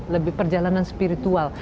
lebih perjalanan spiritual